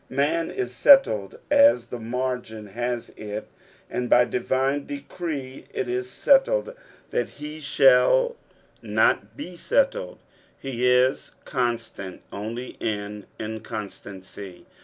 Han is tettled, as the margin has it, and by divine decree it is settled that he shall PSALM THB THIHTY NINTH. 241 not b« setlled. He is constant only in inconstancy.